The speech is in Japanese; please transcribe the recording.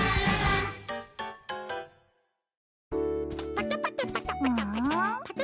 パタパタパタパタ。